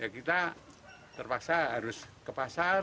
kita terpaksa harus ke pasar